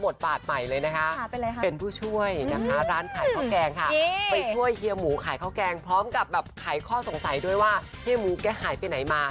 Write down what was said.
ด้วยว่าเฮียหมูแกหายไปไหนมา